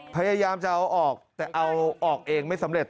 พยายามจะเอาออกแต่เอาออกเองไม่สำเร็จ